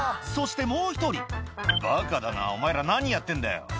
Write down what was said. そしてもう１人「バカだなお前ら何やってんだよ」